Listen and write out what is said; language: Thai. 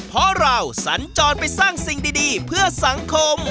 เพราะเราสัญจรไปสร้างสิ่งดีเพื่อสังคม